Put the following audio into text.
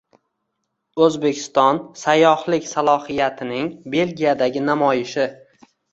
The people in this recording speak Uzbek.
O‘zbekiston sayyohlik salohiyatining Belgiyadagi namoyishi